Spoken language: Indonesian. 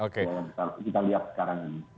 kita lihat sekarang ini